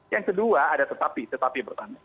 yang kedua ada tetapi tetapi pertama